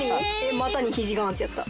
・股に肘がんってやった。